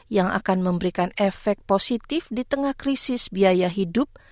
yang akan memberikan efek positif di tengah krisis biaya hidup